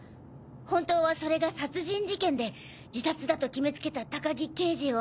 本当はそれが殺人事件で自殺だと決め付けた高木刑事を。